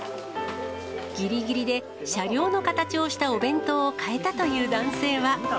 ぎりぎりで車両の形をしたお弁当を買えたという男性は。